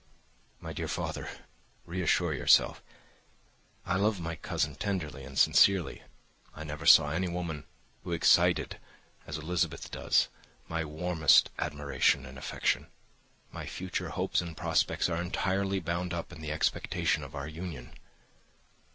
"My dear father, reassure yourself. I love my cousin tenderly and sincerely. I never saw any woman who excited, as Elizabeth does, my warmest admiration and affection. My future hopes and prospects are entirely bound up in the expectation of our union."